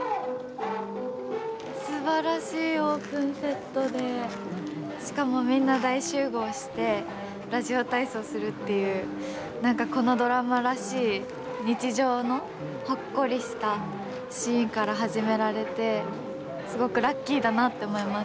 すばらしいオープンセットでしかもみんな大集合してラジオ体操するっていう何かこのドラマらしい日常のほっこりしたシーンから始められてすごくラッキーだなって思います。